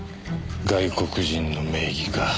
外国人の名義か。